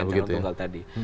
dengan calon tunggal tadi